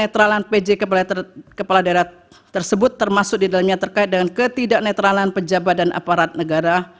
ketidaknetralan pj kepala daerah tersebut termasuk didalaminya terkait dengan ketidaknetralan pejabat dan aparat negara